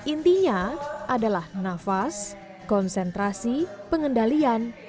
intinya adalah nafas konsentrasi pengendalian